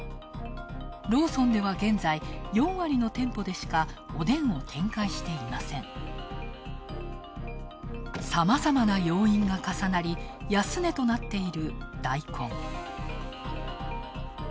ローソンでは、現在４割の店舗でしか、おでんを展開していませんさまざまな要因が重なり、安値となっているダイコン。